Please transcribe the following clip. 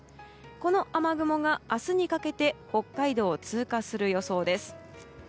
この雨雲が明日にかけて北海道を通過する予想です。